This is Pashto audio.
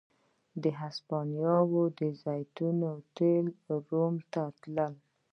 د هسپانیا د زیتونو تېل روم ته راتلل